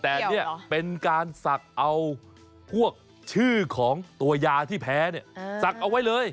แต่นี่เป็นการศักดิ์เอาพวกชื่อของตัวยาที่แพ้เนี่ยศักดิ์เอาไว้เลย